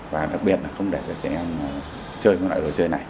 và đặc biệt là không để cho trẻ em chơi các loại đồ chơi này